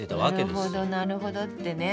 なるほどなるほどってね。